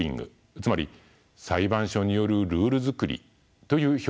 つまり裁判所によるルール作りという表現があります。